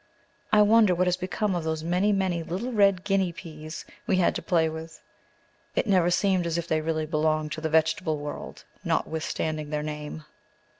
I wonder what has become of those many, many little red "guinea peas" we had to play with! It never seemed as if they really belonged to the vegetable world, notwithstanding their name.